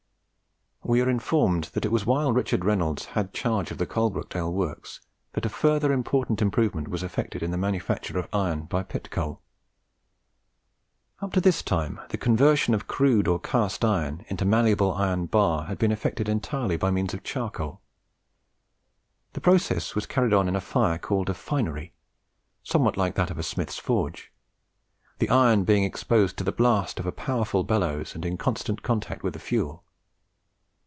We are informed that it was while Richard Reynolds had charge of the Coalbrookdale works that a further important improvement was effected in the manufacture of iron by pit coal. Up to this time the conversion of crude or cast iron into malleable or bar iron had been effected entirely by means of charcoal. The process was carried on in a fire called a finery, somewhat like that of a smith's forge; the iron being exposed to the blast of powerful bellows, and in constant contact with the fuel.